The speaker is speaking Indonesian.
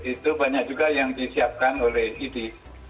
itu banyak juga yang disiapkan oleh idi